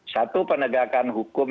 satu penegakan hukum